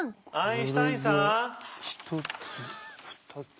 １つ２つ。